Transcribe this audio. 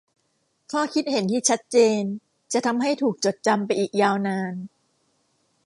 ข้อคิดเห็นที่ชัดเจนจะทำให้ถูกจดจำไปอีกยาวนาน